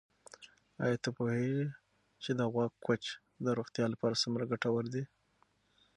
آیا ته پوهېږې چې د غوا کوچ د روغتیا لپاره څومره ګټور دی؟